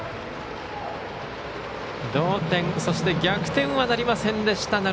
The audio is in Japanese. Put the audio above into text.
同点、そして逆転はなりませんでした。